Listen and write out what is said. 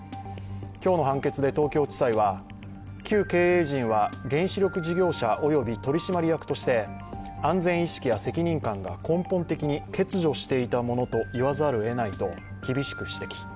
今日の判決で東京地裁は、旧経営陣は原子力事業及び取締役として安全意識や責任感が根本的に欠如していたものと言わざるをえないと厳しく指摘。